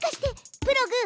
プログ！